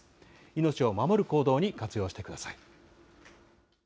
命を守る行動に活用してください。